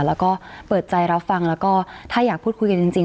แล้วก็เปิดใจรับฟังแล้วก็ถ้าอยากพูดคุยกันจริง